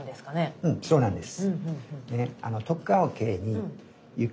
うんそうなんです。